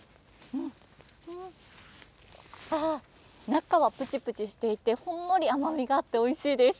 中はプチプチしていてほんのり甘みがあっておいしいです。